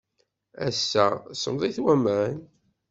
Ass-a, semmḍit waman.